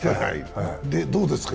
どうですか？